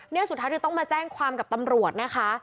นี่สุดท้ายเธอต้องมาแจ้งความกับตำรวจนะคะ